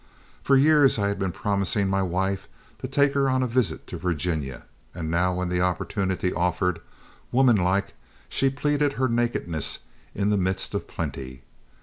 For years I had been promising my wife to take her on a visit to Virginia, and now when the opportunity offered, womanlike, she pleaded her nakedness in the midst of plenty.